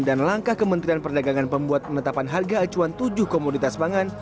dan langkah kementerian perdagangan pembuat menetapkan harga acuan tujuh komoditas pangan